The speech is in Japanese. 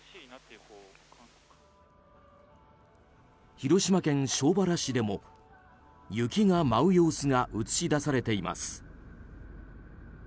広島県庄原市でも雪が舞う様子が映し出されています。